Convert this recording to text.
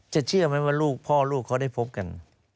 เชื่อไหมว่าลูกพ่อลูกเขาได้พบกัน